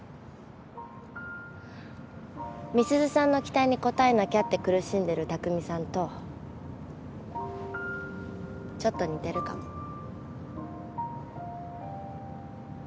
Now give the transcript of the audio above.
美鈴さんの期待に応えなきゃって苦しんでる拓海さんとちょっと似てるかも。